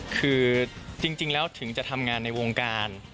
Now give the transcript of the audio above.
คือจริงแล้วถึงจะทำงานในวงการ